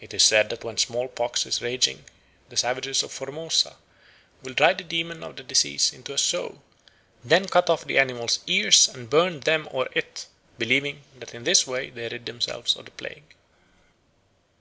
It is said that when smallpox is raging the savages of Formosa will drive the demon of disease into a sow, then cut off the animal's ears and burn them or it, believing that in this way they rid themselves of the plague.